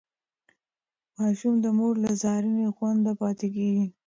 ماشوم د مور له څارنې خوندي پاتې کېږي.